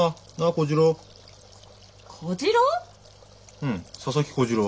うん佐々木小次郎。